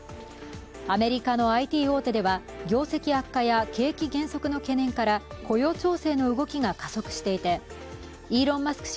アメリカのＩＴ大手では業績悪化や景気減速の懸念から雇用調整の動きが加速していてイーロン・マスク